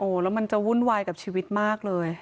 แล้วมันจะวุ่นวายกับชีวิตมากเลย